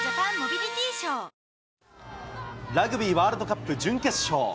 ラグビーワールドカップ準決勝。